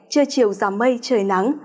chưa chiều giảm mây trời nắng